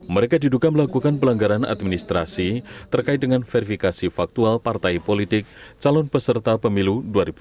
mereka diduga melakukan pelanggaran administrasi terkait dengan verifikasi faktual partai politik calon peserta pemilu dua ribu dua puluh